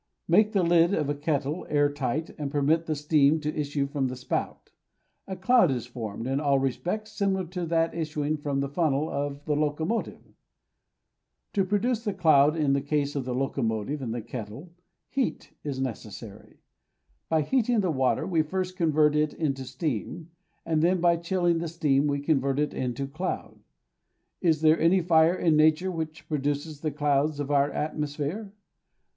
Make the lid of a kettle air tight, and permit the steam to issue from the spout; a cloud is formed in all respects similar to that issuing from the funnel of the locomotive. To produce the cloud, in the case of the locomotive and the kettle, heat is necessary. By heating the water we first convert it into steam, and then by chilling the steam we convert it into cloud. Is there any fire in Nature which produces the clouds of our atmosphere?